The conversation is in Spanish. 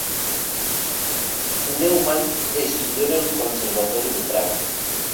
Neumann estudió en el Conservatorio de Praga.